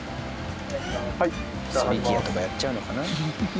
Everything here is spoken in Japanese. ソリティアとかやっちゃうのかな？